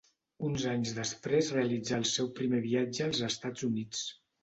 Uns anys després realitzà el seu primer viatge als Estats Units.